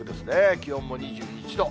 気温も２１度。